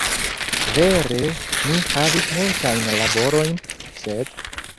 Vere, mi havis multajn laborojn, sed